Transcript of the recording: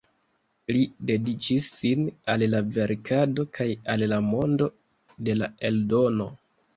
Li dediĉis sin al la verkado kaj al la mondo de la eldono.